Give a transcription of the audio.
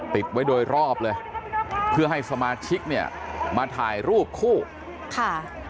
ติดไว้โดยรอบเลยเพื่อให้สมาชิกเนี่ยมาถ่ายรูปคู่ค่ะ